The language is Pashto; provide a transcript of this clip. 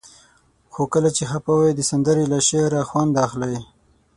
خو کله چې خفه وئ؛ د سندرې له شعره خوند اخلئ.